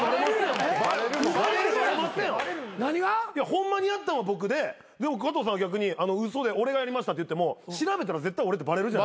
ホンマにやったんは僕で加藤さんは逆に嘘で俺がやりましたって言っても調べたら絶対俺ってバレる。